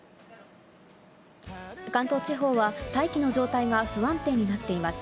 関東地方は大気の状態は不安定になっています。